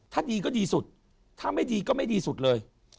ถ้าดีก็ดีสุดถ้าไม่ดีก็ไม่ดีสุดเลย